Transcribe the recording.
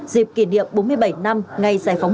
dịp kỷ niệm bốn mươi bảy năm ngày giải phóng